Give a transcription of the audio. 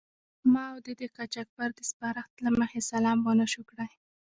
ما او دې د قاچاقبر د سپارښت له مخې سلام و نه شو کړای.